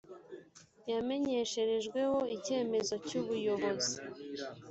yamenyesherejweho icyemezo cy ubuyobozi